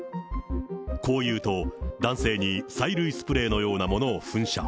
こう言うと、男性に催涙スプレーのようなものを噴射。